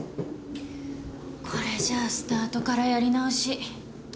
これじゃあスタートからやり直し。